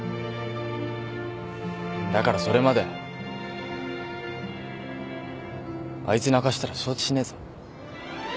だからそれまであいつ泣かしたら承知しねえぞ。